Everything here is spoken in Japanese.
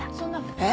えっ？